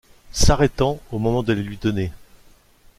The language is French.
S’arrêtant au moment de les lui donner.